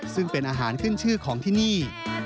ซึ่งเป็นอาหารขึ้นชื่อของที่นี่